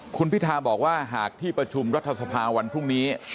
คุณพิธาบอกว่าหากที่ประชุมรัฐสภาวันพรุ่งนี้